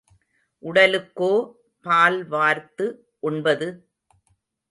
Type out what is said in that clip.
உடலுக்கோ பால் வார்த்து உண்பது?